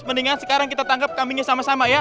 mendingan sekarang kita tangkap kambingnya sama sama ya